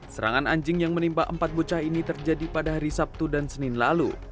serangan anjing yang menimpa empat bocah ini terjadi pada hari sabtu dan senin lalu